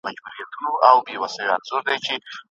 پاڅېدلی خروښېدلی په زمان کي